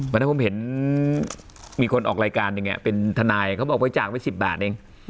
เพราะฉะนั้นผมเห็นมีคนออกรายการเป็นทนายเขาออกบริจาคไป๑๐บาทเอง